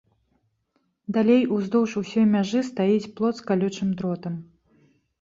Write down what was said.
Далей уздоўж усёй мяжы стаіць плот з калючым дротам.